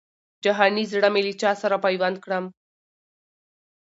جهاني زړه مي له چا سره پیوند کړم